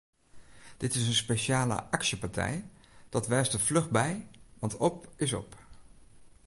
Dit is in spesjale aksjepartij, dat wês der fluch by want op is op!